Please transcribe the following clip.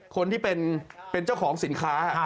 คนที่เป็นเจ้าของสินค้า